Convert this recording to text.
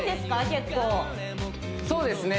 そうですね